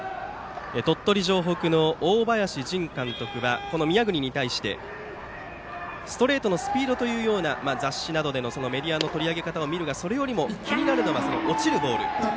鳥取城北の大林監督はこの宮國に対して、ストレートのスピードというような雑誌などでのメディアの取り上げ方を見るがそれよりも気になるのは落ちるボール。